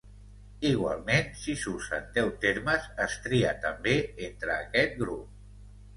Igualment, si s'usen deu termes, es tria també entre aquest grup.